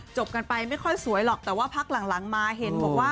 จบกันไปไม่ค่อยสวยหรอกแต่ว่าพักหลังมาเห็นบอกว่า